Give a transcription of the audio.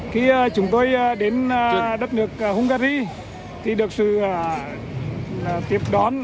khi chúng tôi đến đất nước hungary thì được sự tiếp đón